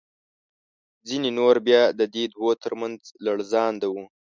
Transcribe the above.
ځینې نور بیا د دې دوو تر منځ لړزانده وو.